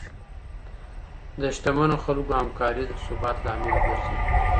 د شتمنو خلګو همکاري د ثبات لامل ګرځي.